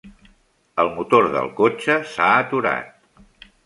El motor del cotxe s'ha aturat.